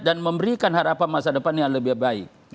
dan memberikan harapan masa depan yang lebih baik